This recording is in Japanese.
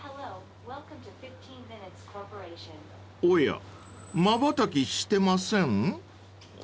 ［おやまばたきしてません？］